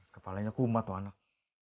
kepalanya kumat wak